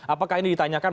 apakah ini ditanyakan